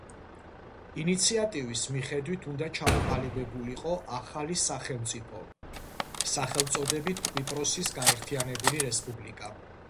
ინიციატივის მიხედვით უნდა ჩამოყალიბებულიყო ახალი სახელმწიფო სახელწოდებით კვიპროსის გაერთიანებული რესპუბლიკა.